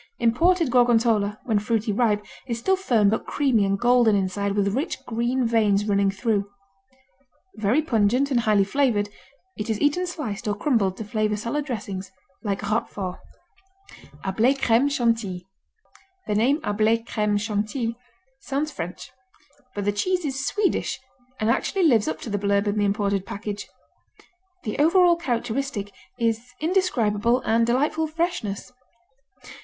Imported Gorgonzola, when fruity ripe, is still firm but creamy and golden inside with rich green veins running through. Very pungent and highly flavored, it is eaten sliced or crumbled to flavor salad dressings, like Roquefort. Hablé Crème Chantilly The name Hablé Crème Chantilly sounds French, but the cheese is Swedish and actually lives up to the blurb in the imported package: "The overall characteristic is indescribable and delightful freshness."